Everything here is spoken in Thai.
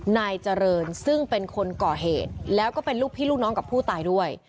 นายเจริญซึ่งเป็นคนก่อเหตุแล้วก็เป็นลูกพี่ลูกน้องกับผู้ตายด้วย